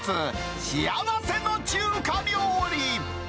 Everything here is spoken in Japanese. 幸せの中華料理。